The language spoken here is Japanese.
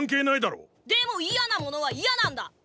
でも嫌なものは嫌なんだ！